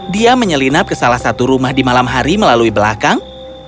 dia menyelinap ke salah satu rumah di malam hari melalui belakang